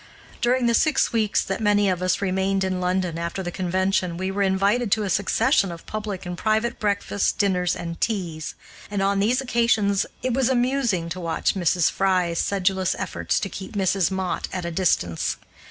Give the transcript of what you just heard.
During the six weeks that many of us remained in London after the convention we were invited to a succession of public and private breakfasts, dinners, and teas, and on these occasions it was amusing to watch Mrs. Fry's sedulous efforts to keep Mrs. Mott at a distance.